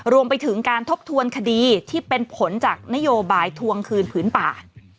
รวมไปถึงการทบทวนคดีที่เป็นผลจากนโยบายทวงคืนผืนป่า